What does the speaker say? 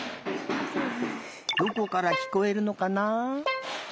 どこからきこえるのかな？